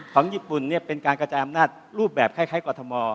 ของญี่ปุ่นเป็นการกระจายอำนาจรูปแบบคล้ายกรทม